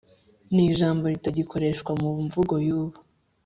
ni ijambo ritagikoreshwa mu mvugo y’ubu